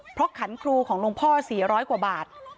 เพราะขันครูของหลวงพ่อ๔๐๐กว่าบาท